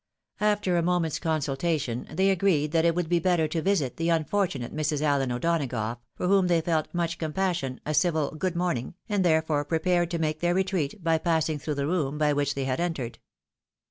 After a moment's consul tation, they agreed that it would be better to visit the unfor tunate Mrs. Allen O'Donagough, for whom they felt much compassion, a civil " good morning," and therefore prepared to make their retreat by passing through the room by which they had entered.